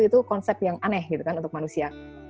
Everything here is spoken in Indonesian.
itu konsep yang aneh untuk manusia